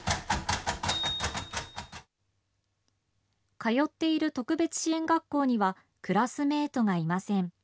通っている特別支援学校には、クラスメートがいません。